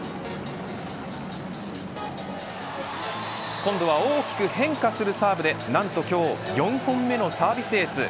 今度は大きく変化するサーブでなんと今日４本目のサービスエース。